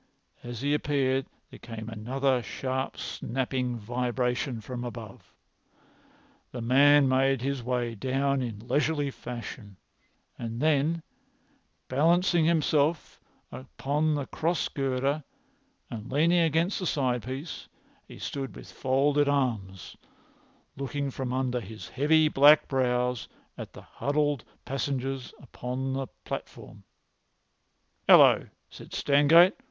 As he appeared there came another sharp snapping vibration from above. The man made his way down in leisurely fashion, and then, balancing himself upon the cross girder and leaning against the side piece, he stood with folded arms, looking from under his heavy black brows at the huddled passengers upon the platform. "Hallo!" said Stangate.